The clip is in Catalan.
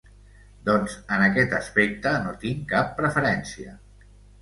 Doncs, en aquest aspecte, no tinc cap preferència.